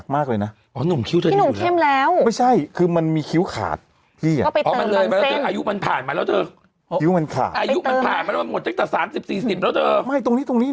ไม่ใช่ของพี่นี่มันปันหายไปเนี้ย